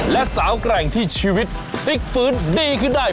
และสาวแกร่งที่ชีวิตพลิกฟื้นดีขึ้นได้